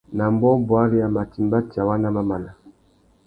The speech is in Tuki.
Nà ambōh bwari a mà timba tsawá nà mamana.